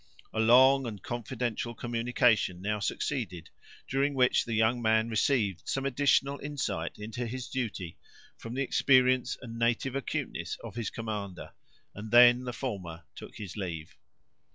A long and confidential communication now succeeded, during which the young man received some additional insight into his duty, from the experience and native acuteness of his commander, and then the former took his leave.